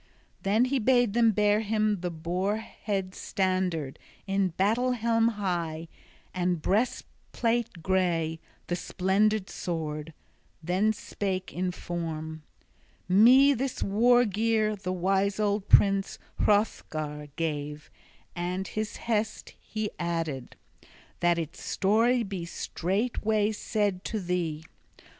Then he bade them bear him the boar head standard, the battle helm high, and breastplate gray, the splendid sword; then spake in form: "Me this war gear the wise old prince, Hrothgar, gave, and his hest he added, that its story be straightway said to thee.